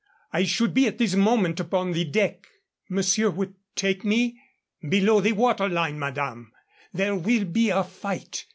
I should be at this moment upon the deck." "Monsieur would take me ?" "Below the water line, madame. There will be a fight.